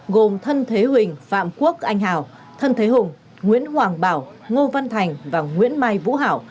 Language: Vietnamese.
gồm thân thế huỳnh phạm quốc anh hào thân thế hùng nguyễn hoàng bảo ngô văn thành và nguyễn mai vũ hảo